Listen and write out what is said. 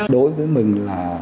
đối với mình là